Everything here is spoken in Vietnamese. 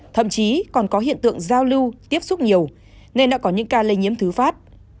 thậm chí còn có hiện tượng giao lưu tiếp xúc nhiều nên đã có những ca lây nhiễm thứ phát